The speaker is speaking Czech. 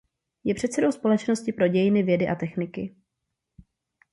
Je předsedou Společnosti pro dějiny vědy a techniky.